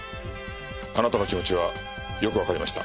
あなたの気持ちはよくわかりました。